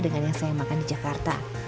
dengan yang saya makan di jakarta